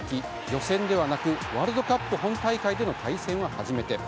予選ではなくワールドカップ本大会での対戦は初めて。